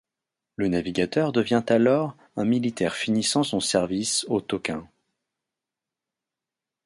Le navigateur devient alors un militaire finissant son service au Tonkin.